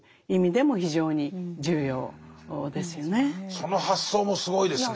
その発想もすごいですね。